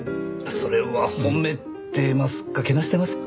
それは褒めてますか？